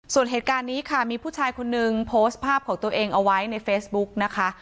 ส่วนเหตุการณ์นี้ค่ะมีผู้ชายคนนึงโพสต์ภาพของตัวเองเอาไว้ในเฟซบุ๊กนะคะ